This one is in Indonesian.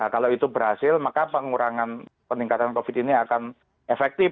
kalau itu berhasil maka pengurangan peningkatan covid ini akan efektif